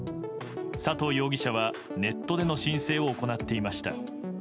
佐藤容疑者はネットでの申請を行っていました。